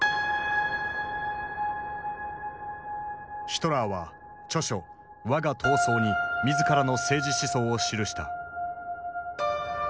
ヒトラーは著書「わが闘争」に自らの政治思想を記した。